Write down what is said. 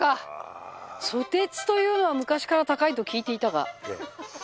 ソテツというのは昔から高いと聞いていたが。